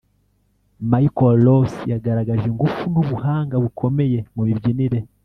Michael Ross yagaragaje ingufu n’ubuhanga bukomeye mu mibyinire